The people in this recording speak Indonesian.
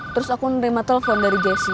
terus aku menerima telepon dari jessi